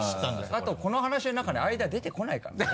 あとこの話の中に相田出てこないからね。